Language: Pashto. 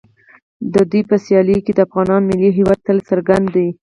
د دوی په سیالیو کې د افغانانو ملي هویت تل څرګند دی.